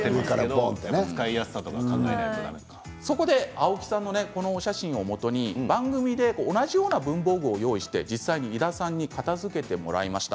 青木さんのこの写真をもとに番組で同じような文房具を用意して井田さんに片づけてもらいました。